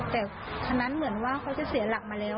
แต่คันนั้นเหมือนว่าเขาจะเสียหลักมาแล้ว